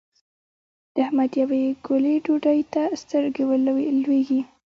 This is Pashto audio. د احمد يوې ګولې ډوډۍ ته سترګې لوېږي.